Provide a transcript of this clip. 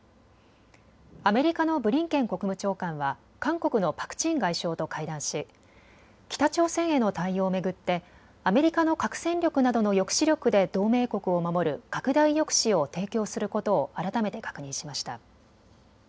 アメリカのブリンケン国務長官は韓国のパク・チン外相と会談し北朝鮮への対応を巡ってアメリカの核戦力などの抑止力で同盟国を守る拡大抑止を提供することを改めて確認しました。